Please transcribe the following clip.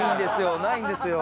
ないんですよ。